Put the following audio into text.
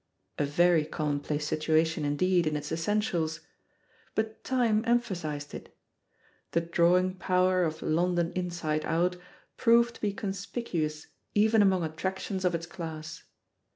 A very commonplace situation, indeed, in its essentials. But time emphasised it ; the drawing 146 THE POSITION OF PEGGY HARPER power of London Inside Out proved to be con spicuous even among attractions of its class.